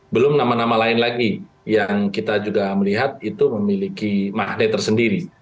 belum nama nama lain lagi yang kita juga melihat itu memiliki magnet tersendiri